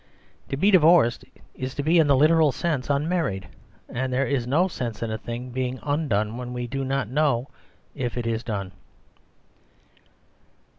To be divorced is to be in the lit eral sense unmarried ; and there is no sense in a thing being undone when we do not know if it is done.